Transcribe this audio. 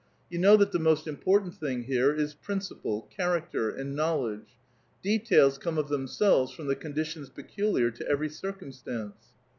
You know that the most im r portant thing here is principle, character, and knowledge. } Details come of themselves from the conditions peculiar to everv circumstance.